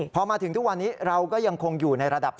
พอมาถึงทุกวันนี้เราก็ยังคงอยู่ในระดับ